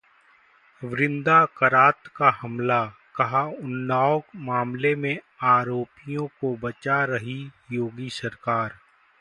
वृंदा करात का हमला, कहा- उन्नाव मामले में आरोपियों को बचा रही योगी सरकार